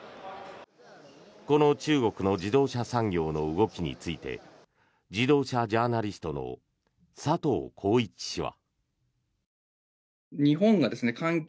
この中国の自動車産業の動きについて自動車ジャーナリストの佐藤耕一氏は。